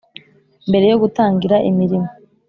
mbere yo gutangira imirimo,